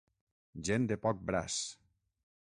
Gent de poc braç.